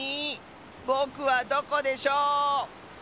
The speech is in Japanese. ぼくはどこでしょう？